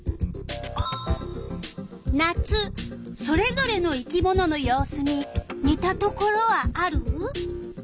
それぞれの生き物の様子ににたところはある？